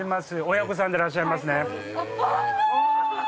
親子さんでらっしゃいますね。